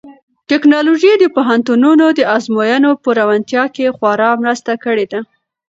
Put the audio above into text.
ټیکنالوژي د پوهنتونونو د ازموینو په روڼتیا کې خورا مرسته کړې ده.